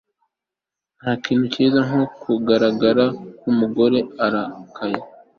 ntakintu cyiza nko kugaragara k'umugore urakaye